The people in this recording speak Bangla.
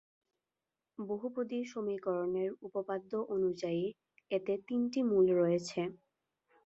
বহুপদী সমীকরণের উপপাদ্য অনুযায়ী এতে তিনটি মূল রয়েছে।